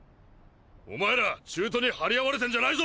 おまえら中途に張り合われてんじゃないぞ。